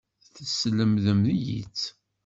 Teslemdem-iyi-tt.